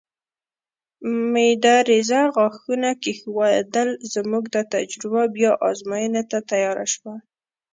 مېده رېزه ښاخونه کېښودل، زموږ دا تجربه بیا ازموینې ته تیاره شوه.